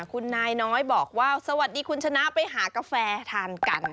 คุณนายน้อยบอกว่าสวัสดีคุณชนะไปหากาแฟทานกัน